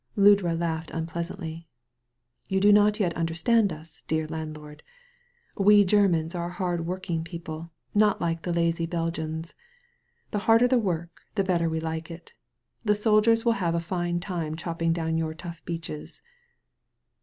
Ludra laughed unpleasantly. ''You do not yet understand us, dear landlord. We Germans are a hard working people, not like the lazy Belgians. The harder the work the better we like it. The soldiers will have a fine time chop ping down your tough beeches."